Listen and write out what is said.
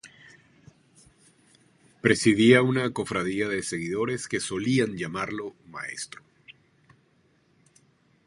Presidía una cofradía de seguidores que solían llamarlo "maestro".